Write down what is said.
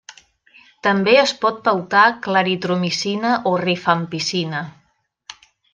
També es pot pautar claritromicina o rifampicina.